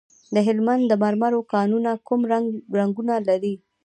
د هلمند د مرمرو کانونه کوم رنګونه لري؟